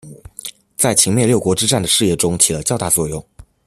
在秦灭六国之战的事业中起了较大作用。